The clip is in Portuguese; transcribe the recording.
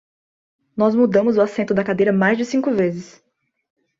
Nós mudamos o assento da cadeira mais de cinco vezes.